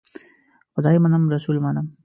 خدای منم ، رسول منم .